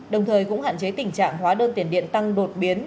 đồng thời cũng hạn chế tình trạng hóa đơn tiền điện tăng đột biến